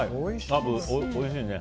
アブ、おいしいね。